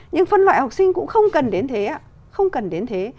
nhưng phân loại học sinh cũng không cần đến thế